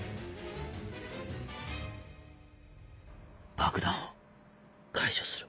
爆弾を解除する。